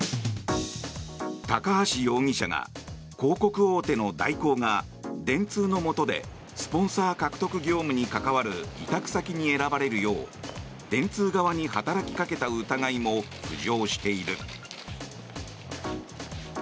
高橋容疑者が広告大手の大広が電通のもとでスポンサー獲得業務にかかわる委託先に選ばれるよう電通側に働きかけた疑いも浮上している。